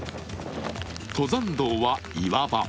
登山道は岩場。